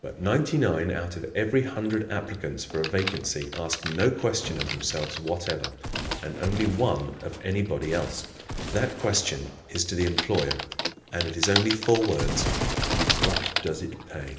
But ninety nine out of every hundred applicants for a vacancy ask no question of themselves whatever, and only one of anybody else. That question is to the employer and it is only four words: "_What does it pay?